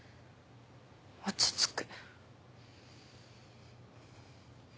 落ち着く。